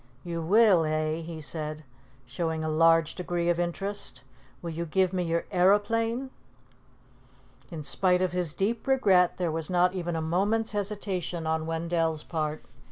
"You will, eh?" he said, showing a large degree of interest. "Will you give me your aeroplane?" In spite of his deep regret, there was not even a moment's hesitation on Wendell's part.